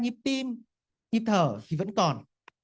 nhịp tim nhịp thở thì vẫn còn